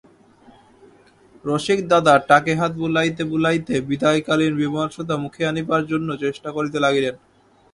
রসিকদাদা টাকে হাত বুলাইতে বুলাইতে বিদায়কালীন বিমর্ষতা মুখে আনিবার জন্য চেষ্টা করিতে লাগিলেন।